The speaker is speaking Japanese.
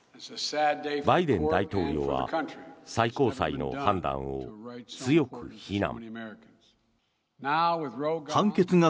バイデン大統領は最高裁の判断を強く非難。